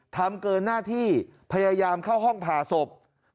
ทำเกินหน้าที่พยายามเข้าห้องผ่าศพ